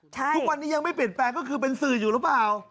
ทุกวันนี้ยังไม่เปลี่ยนแปลงก็คือเป็นสื่ออยู่หรือเปล่า